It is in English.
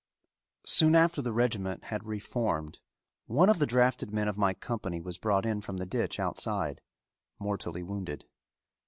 Soon after the regiment had reformed one of the drafted men of my company was brought in from the ditch outside mortally wounded.